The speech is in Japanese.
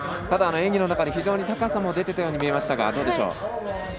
ただ演技の中で高さも出ていたように見えましたが。